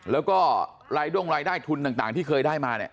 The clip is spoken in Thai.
แล้วก็รายด้งรายได้ทุนต่างที่เคยได้มาเนี่ย